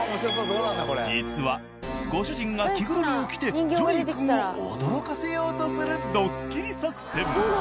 実はご主人が着ぐるみを着てジョリー君を驚かせようとするドッキリ作戦。